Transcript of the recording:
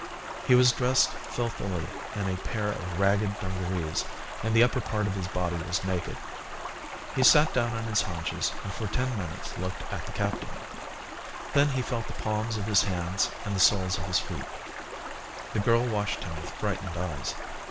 He was dressed filthily in a pair of ragged dungarees, and the upper part of his body was naked. He sat down on his haunches and for ten minutes looked at the captain. Then he felt the palms of his hands and the soles of his feet. The girl watched him with frightened eyes.